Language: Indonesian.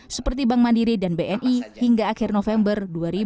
seperti bank mandiri dan bni hingga akhir november dua ribu dua puluh